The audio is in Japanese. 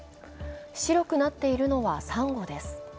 白くなっているのはさんごです。